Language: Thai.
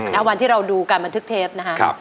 ณวันที่เราดูการบันทึกเทปนะคะ